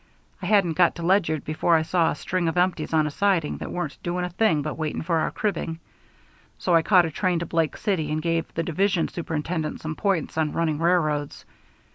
I hadn't got to Ledyard before I saw a string of empties on a siding that weren't doing a thing but waiting for our cribbing, so I caught a train to Blake City and gave the Division Superintendent some points on running railroads.